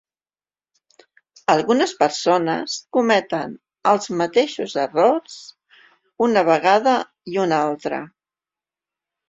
Algunes persones cometen els mateixos errors una vegada i una altra.